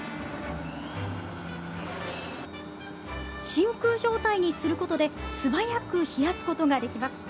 真空状態にすることで、すばやく冷やすことができます。